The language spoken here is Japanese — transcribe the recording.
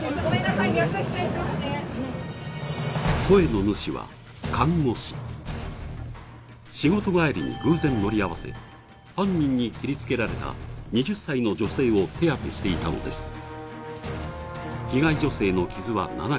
声の主は看護師仕事帰りに偶然乗り合わせ犯人に切りつけられた２０歳の女性を手当てしていたのです